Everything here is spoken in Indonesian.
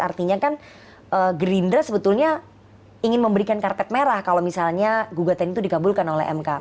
artinya kan gerindra sebetulnya ingin memberikan karpet merah kalau misalnya gugatan itu dikabulkan oleh mk